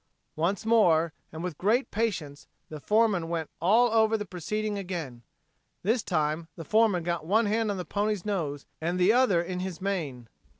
Once more, and with great patience, the foreman went all over the proceeding again. This time the foreman got one hand on the animal's nose and the other in his mane.